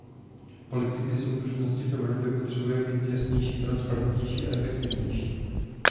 Politika soudržnosti v Evropě potřebuje být jasnější, transparentnější a efektivnější.